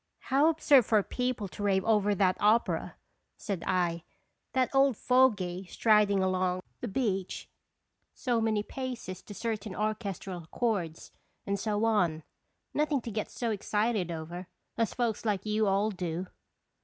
"How absurd for people to rave over that opera! " said I. " That old fogy striding along "Stye Beconfc arir toins." 245 the beach, so many paces to certain orchestral chords, and so on ; nothing to get so excited over, as folks like you all do."